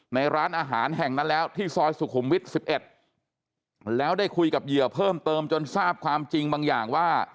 ในร้านอาหารแห่งนั้นแล้วที่ซอยสุขุมวิทย์๑๑แล้วได้คุยกับเหยื่อเพิ่มเติมจนทราบความจริงบางอย่างว่า